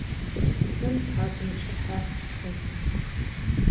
Псым тхьакӏумкӏыхьэ хэс.